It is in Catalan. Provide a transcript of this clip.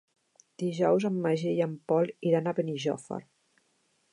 Dijous en Magí i en Pol iran a Benijòfar.